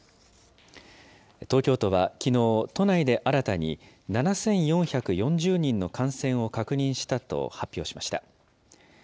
東京都はきのう、都内で新たに７４４０人の感染を確認したと発表しました。